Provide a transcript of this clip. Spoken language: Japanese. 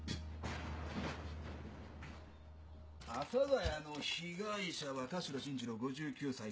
阿佐谷の被害者は田代新次郎５９歳。